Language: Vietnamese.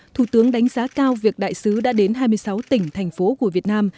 thủ tướng đánh giá cao việc đại sứ đã đến hai mươi sáu tỉnh thành phố của việt nam